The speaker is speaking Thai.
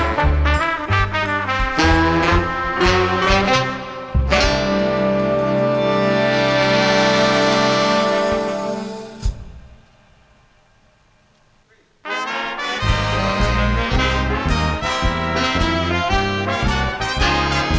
โปรดติดตามตอนต่อไป